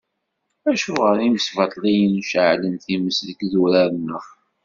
Acuɣer imsbaṭliyen ceεlen times deg yidurar-nneɣ!